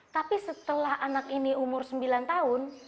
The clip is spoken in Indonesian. tapi setelah anak ini umur sembilan tahun